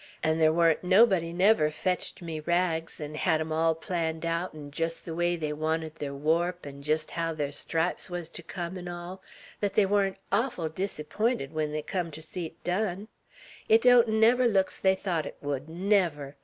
'N' ther wa'n't never nobody fetched me rags, 'n' hed 'em all planned aout, 'n' jest ther way they wanted ther warp, 'n' jest haow ther stripes wuz ter come, 'n' all, thet they wa'n't orful diserpynted when they cum ter see 't done. It don't never look's they thought 't would, never!